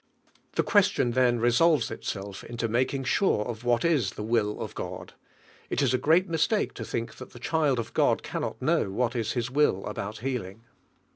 The question then resolves itself into making sure of what is the will of God. It is n great mistake In Ihink thai the child of God cannot know whal is His will about healing.